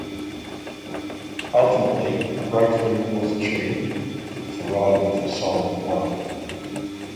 Ultimately, a breakthrough was achieved with the writing of the song "One".